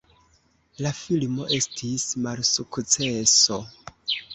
La filmo estis malsukceso.